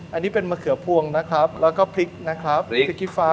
อันนี้เป็นมะเขือพวงนะครับแล้วก็พริกนะครับพริกขี้ฟ้า